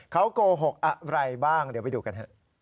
เขาโกหกอะไรบ้างเดี๋ยวไปดูกันฮะ